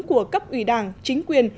của cấp ủy đảng chính quyền